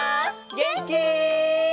げんき？